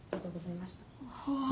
はあ。